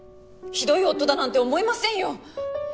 ひどい夫だなんて思いませんよ！